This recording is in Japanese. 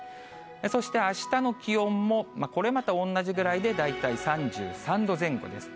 そしてあしたの気温もこれまたおんなじくらいで大体３３度前後です。